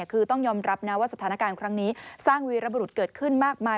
คือต้องยอมรับนะว่าสถานการณ์ครั้งนี้สร้างวีรบรุษเกิดขึ้นมากมาย